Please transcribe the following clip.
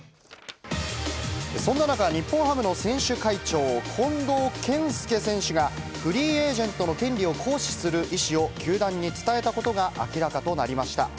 そんな中、日本ハムの選手会長、近藤健介選手が、フリーエージェントの権利を行使する意思を球団に伝えたことが明らかとなりました。